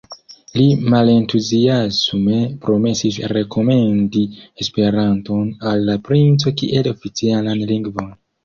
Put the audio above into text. Li malentuziasme promesis rekomendi Esperanton al la princo kiel oficialan lingvon.